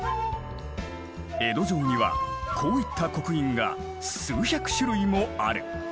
江戸城にはこういった刻印が数百種類もある。